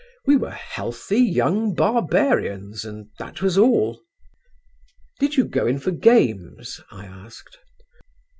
We were healthy young barbarians and that was all." "Did you go in for games?" I asked.